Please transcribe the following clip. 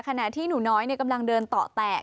ขณะที่หนูน้อยกำลังเดินต่อแตะ